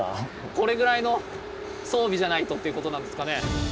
これぐらいの装備じゃないとっていうことなんですかね。